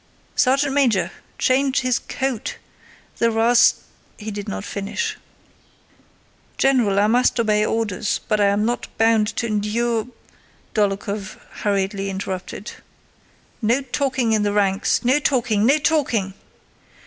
Sergeant major! Change his coat... the ras..." he did not finish. "General, I must obey orders, but I am not bound to endure..." Dólokhov hurriedly interrupted. "No talking in the ranks!... No talking, no talking!"